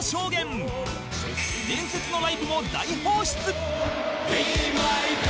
伝説のライブも大放出！